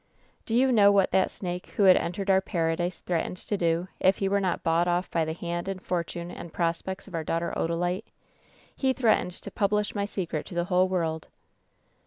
"Do vou know what that snake who had entered our paradise threatened to do if he were not bought off by the hand and fortune and prospects of our daughter Odalite? He threatened to publish my secret to the whole world